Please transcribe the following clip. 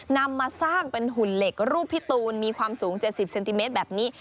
นำมาสร้างเป็นหุ่นเหล็กรูปพี่ตูนมีความสูง๗๐เซนติเมตรแบบนี้